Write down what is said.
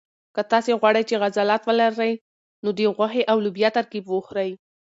که تاسي غواړئ چې عضلات ولرئ نو د غوښې او لوبیا ترکیب وخورئ.